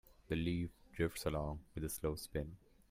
The leaf drifts along with a slow spin.